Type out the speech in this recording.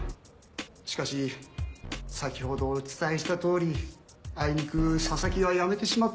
しかし先ほどお伝えした通りあいにく佐々木は辞めてしまったので。